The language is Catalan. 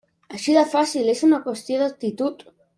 Així de fàcil, és una qüestió d'actitud.